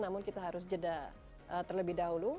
namun kita harus jeda terlebih dahulu